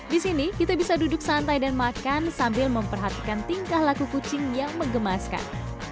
di sini kita bisa duduk santai dan makan sambil memperhatikan tingkah laku kucing yang mengemaskan